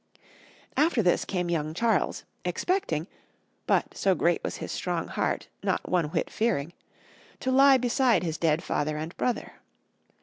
After this, came young Charles, expecting, but, so great was his strong heart, not one whit fearing, to lie beside his dead father and brother.